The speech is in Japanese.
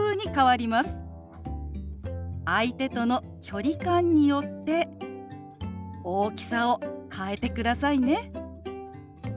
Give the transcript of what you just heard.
相手との距離感によって大きさを変えてくださいね。